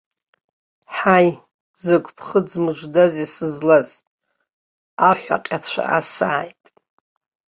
Ҳаи, закәытә ԥхыӡ мыждази сызлаз, аҳәаҟьацәа асааит.